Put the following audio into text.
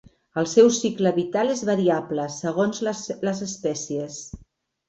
El seu cicle vital és variable segons les espècies.